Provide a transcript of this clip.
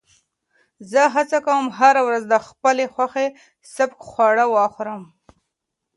زه هڅه کوم هره ورځ د خپل خوښې سپک خواړه وخورم.